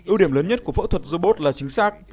ưu điểm lớn nhất của phẫu thuật robot là chính xác